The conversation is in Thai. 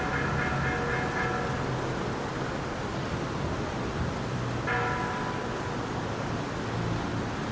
ก็ไม่น่าจะดังกึ่งนะ